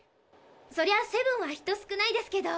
そりゃセブンは人少ないですけど。